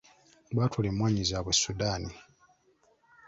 Baatwala emmwanyi zaabwe e Sudan.